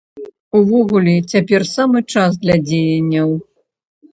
Увогуле, цяпер самы час для дзеянняў.